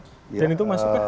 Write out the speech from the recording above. dan itu mas